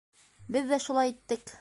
Беҙ ҙә шулай иттек.